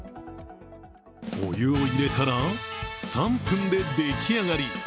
お湯を入れたら３分で、でき上がり。